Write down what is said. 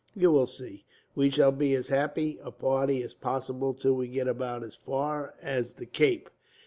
You will see, we shall be as happy a party as possible till we get about as far as the Cape.